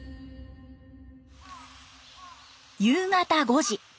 夕方５時。